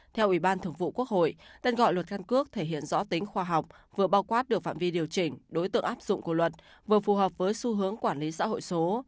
theo ủy ban thường vụ quốc hội tên gọi luật căn cước thể hiện rõ tính khoa học vừa bao quát được phạm vi điều chỉnh đối tượng áp dụng của luật vừa phù hợp với xu hướng quản lý xã hội số